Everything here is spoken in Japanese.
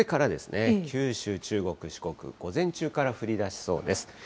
これからですね、九州、中国、四国、午前中から降りだしそうです。